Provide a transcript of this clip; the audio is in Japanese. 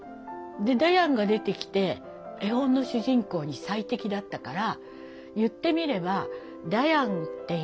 でダヤンが出てきて絵本の主人公に最適だったから言ってみればダヤンっていう猫が生まれた。